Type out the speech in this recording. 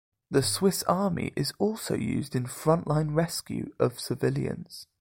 The Swiss army is also used in frontline rescue of civilians.